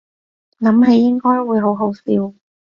諗起應該會好好笑